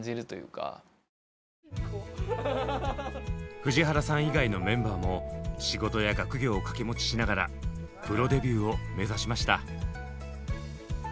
藤原さん以外のメンバーも仕事や学業を掛け持ちしながらプロデビューを目指しました。